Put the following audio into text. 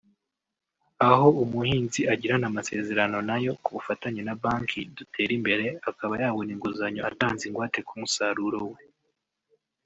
aho umuhinzi agirana amasezerano nayo ku bufatanye na banki Duterimbere akaba yabona inguzanyo atanze ingwate ku musaruro we